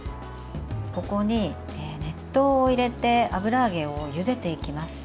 ここに熱湯を入れて油揚げをゆでていきます。